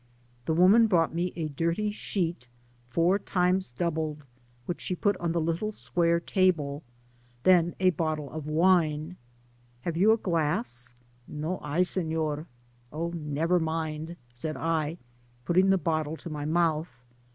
The woman brought me a dirty sheet four times doubled, which she put on the little square table, then a bottle of wine ;" Have you a glass ?'^" No hay, sefior. ^^ Oh, never mind,''* said I, putting the bottle to my mouth.